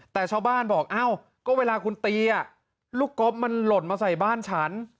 แต่ชาวบ้านบอกเอ้าก็เวลาคุณตีลูกกบมันหล่นมาใส่บ้านฉัน